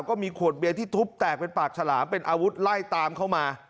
ก็มีขวดเบียร์ที่ทุบแตกเป็นปากฉลามเป็นอาวุธไล่ตามเข้ามา